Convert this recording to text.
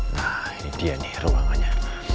nah ini dia nih ruangannya